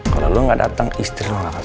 kalau lo gak datang istri lo gak akan selamat